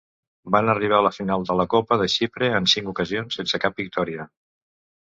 Van arribar a la final de la Copa de Xipre en cinc ocasions sense cap victòria.